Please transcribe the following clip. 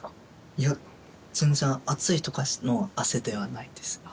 いや全然暑いとかの汗ではないです